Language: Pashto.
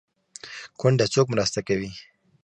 کونډه څوک مرسته کوي؟